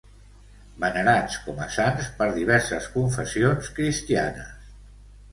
Venerats com a sants per diverses confessions cristianes.